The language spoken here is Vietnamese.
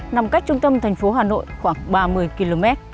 nằm cách trung tâm thành phố hà nội khoảng ba mươi km